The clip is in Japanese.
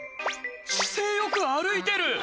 姿勢よく歩いてる！